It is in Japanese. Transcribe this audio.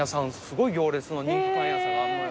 すごい行列の人気パン屋さんがあんのよ。